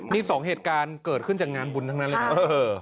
นี่สองเหตุการณ์เกิดขึ้นจากงานบุญทั้งนั้นเลยครับ